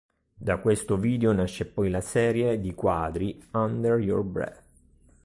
Da questo video nasce poi la serie di quadri "Under your breath".